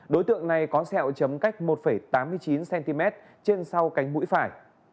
đối tượng này có sẹo chấm cách một tám mươi chín cm trên sau cánh mũi phải